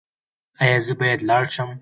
ایا زه باید لاړ شم؟